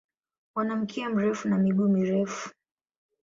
Wana mkia mrefu na miguu mirefu.